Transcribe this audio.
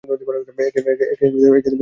একে "এলিমিনেশন" বলে।